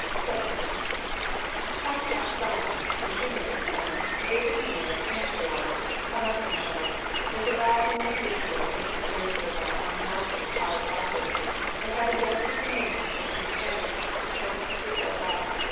VII. Taffy ap Sion, the shoemaker's son, living near Pencader, Carmarthenshire, was a lad who many years ago entered the fairy circle on the mountain hard by there, and having danced a few minutes, as he supposed, chanced to step out.